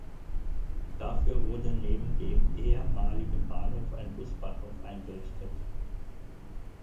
Dafür wurde neben dem ehemaligen Bahnhof ein Busbahnhof eingerichtet.